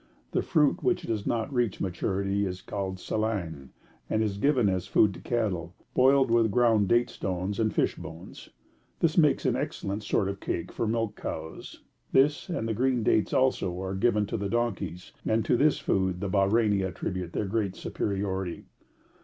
The fruit which does not reach maturity is called salang, and is given as food to cattle, boiled with ground date stones and fish bones. This makes an excellent sort of cake for milch cows; this, and the green dates also, are given to the donkeys, and to this food the Bahreini attribute their great superiority.